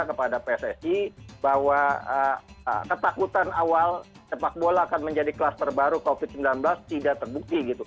kepada pssi bahwa ketakutan awal cepakbola akan menjadi kelas terbaru covid sembilan belas tidak terbukti gitu